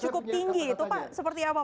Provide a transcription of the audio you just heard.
cukup tinggi itu pak seperti apa